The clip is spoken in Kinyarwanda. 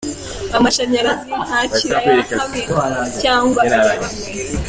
Amashanyarazi ntakiri aya hamwe cyangwa aya bamwe.